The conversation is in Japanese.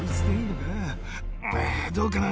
どうかな？